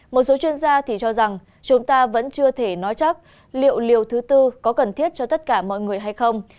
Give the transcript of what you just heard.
một số chuyên gia thì cho rằng chúng ta vẫn chưa thể nói chắc liệu liều thứ tư có cần thiết cho tất cả mọi người hay không